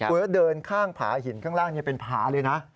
คุณก็เดินข้างผาหินข้างล่างเป็นผาเลยนะ